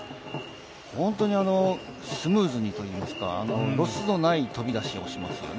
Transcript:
本当にスムーズといいますか、ロスのない飛び出しをしますよね。